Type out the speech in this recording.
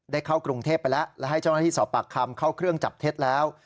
เข้ากรุงเทพไปแล้วและให้เจ้าหน้าที่สอบปากคำเข้าเครื่องจับเท็จแล้ว